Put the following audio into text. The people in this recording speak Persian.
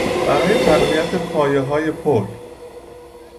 برای تقویت پایههای پل